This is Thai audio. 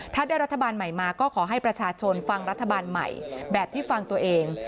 ถ้าได้รัฐบาลใหม่มาก็ขอให้ประชาชนฟังรัฐบาลใหม่แบบที่ฟังตัวเอง